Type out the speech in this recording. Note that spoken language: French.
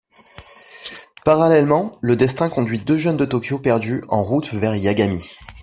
Parallèlement, le destin conduit deux jeunes de Tokyo perdus en route vers Yagami.